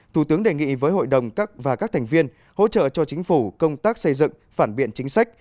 thủ tướng đề nghị với hội đồng và các thành viên hỗ trợ cho chính phủ công tác xây dựng phản biện chính sách